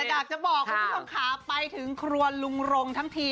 แต่หากจะบอกเขาก็ขาไปถึงครัวลุงทั้งที